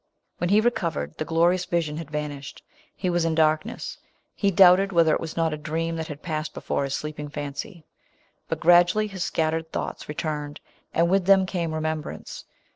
When he recovered, the glorious vision had vanished. He was in dark* ness. He doubted whether it was not a dream that had passed before his sleeping fancy ; but gradually hit scattered thoughts returned, and with them came remembrance.